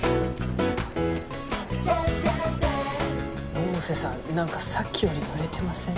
百瀬さん何かさっきより濡れてません？